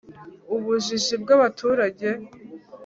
ubujiji bw'abaturage